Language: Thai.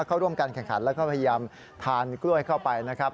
เข้าร่วมการแข่งขันแล้วก็พยายามทานกล้วยเข้าไปนะครับ